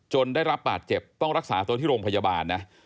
ได้รับบาดเจ็บต้องรักษาตัวที่โรงพยาบาลนะ